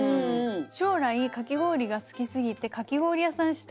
将来かき氷が好きすぎてかき氷屋さんしたいぐらいなので。